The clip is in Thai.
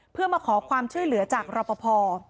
เพื่อมาขอความช่วยเหลือจากรอปภ